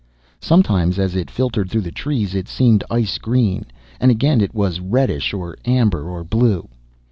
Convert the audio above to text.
Sometimes as it filtered through the trees it seemed, ice green, and again it was reddish or amber, or blue.